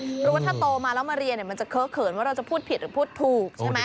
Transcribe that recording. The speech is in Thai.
เพราะว่าถ้าโตมาแล้วมาเรียนมันจะเค้อเขินว่าเราจะพูดผิดหรือพูดถูกใช่ไหม